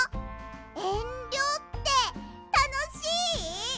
「えんりょ」ってたのしい？